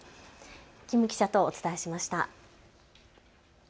金記者とお伝えしました。